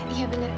iya benar kak